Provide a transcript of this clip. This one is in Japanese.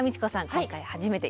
今回初めて。